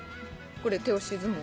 これ手押し相撲。